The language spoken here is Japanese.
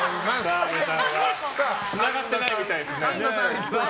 澤部さんはつながってないみたいですね。